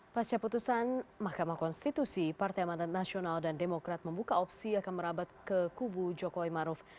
pasca putusan mahkamah konstitusi partai amanat nasional dan demokrat membuka opsi akan merabat ke kubu jokowi maruf